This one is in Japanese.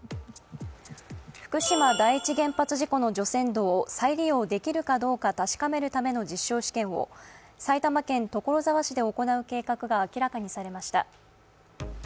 福島第一原発事故の除染土を再利用できるかどうか確かめるための実証実験を埼玉県所沢市で行う計画が明らかにされました。